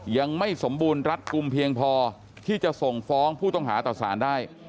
ยังไม่สมบูรณ์รัดกลุ่มเพียงพอที่จะส่งฟ้องผู้ต้องหาต่อสารได้